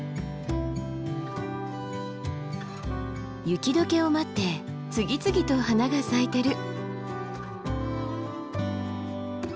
雪解けを待って次々と花が咲いてる。